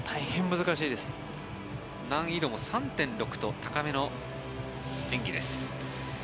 難易度も３．６と高めの演技です。